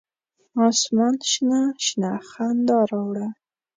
اسمان شنه، شنه خندا راوړه